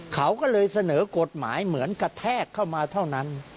เขาก็เลยเสนอกฎหมายเหมือนกระแทกเข้ามาเท่านั้น